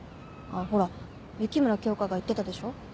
ほら雪村京花が言ってたでしょ。